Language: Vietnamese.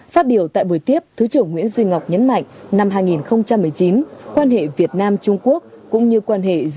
phát biểu tại buổi tiếp thứ trưởng nguyễn duy ngọc nhấn mạnh năm hai nghìn một mươi chín quan hệ việt nam trung quốc cũng như quan hệ việt nam trung quốc cũng như quan hệ việt nam trung quốc